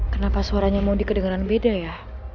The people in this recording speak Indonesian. kenapa suaranya mondi kedengeran beda ya